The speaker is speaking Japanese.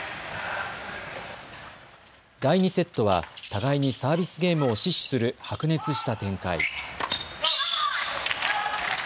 第２セットは互いにサービスゲームを死守する白熱した展開。